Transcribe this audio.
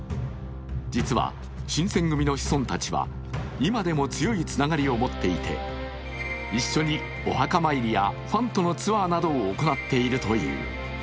実は新選組の子孫たちは今でも強いつながりを持っていて一緒にお墓参りやファンとのツアーなどを行っているという。